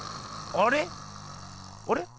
あれ？